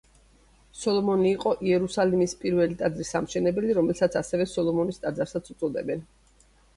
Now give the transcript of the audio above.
სოლომონი იყო იერუსალიმის პირველი ტაძრის ამშენებელი, რომელსაც ასევე სოლომონის ტაძარსაც უწოდებენ.